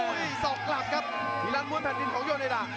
โอ้ยส่องกลับครับทีละมุนผลัดดินของโยเนดา